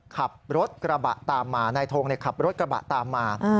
ขับรถกระบะตามมานายทงขับรถกระบะตามมา